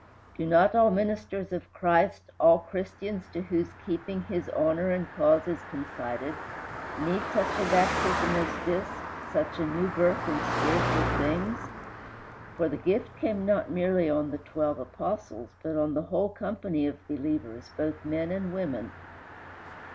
Do not all ministers of Christ, all Christians to whose keeping his honor and cause is confided, need such a baptism as this, such a new birth in spiritual things? For the gift came not merely on the twelve Apostles, but on the whole company of believers, both men and women.